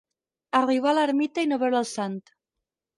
Arribar a l'ermita i no veure el sant.